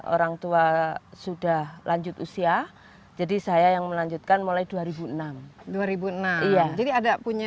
orang tua sudah lanjut usia jadi saya yang melanjutkan mulai dua ribu enam dua ribu enam jadi ada punya